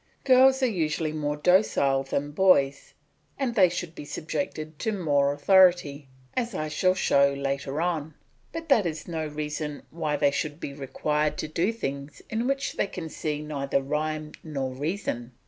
Girls are usually more docile than boys, and they should be subjected to more authority, as I shall show later on, but that is no reason why they should be required to do things in which they can see neither rhyme nor reason.